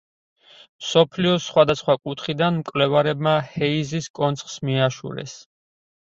მსოფლიოს სხვადასხვა კუთხიდან მკვლევრებმა ჰეიზის კონცხს მიაშურეს.